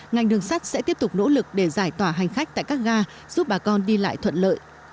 ngành đường sắt sẽ tiếp tục nỗ lực để giải tỏa hành khách tại các ga giúp bà con đi lại thuận lợi